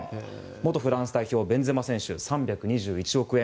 元フランス代表ベンゼマ選手、３２１億円。